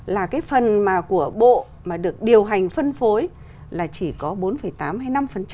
là cái phần mà của bộ mà được điều hành phân phối là chỉ có bốn tám hay năm